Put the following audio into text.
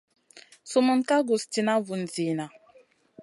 Sumun ka guss tìna vun zina.